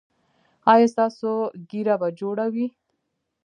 ایا ستاسو ږیره به جوړه وي؟